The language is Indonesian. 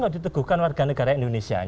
diteguhkan warga negara indonesia